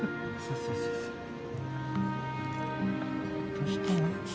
どうしたの？